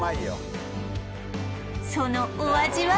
そのお味は？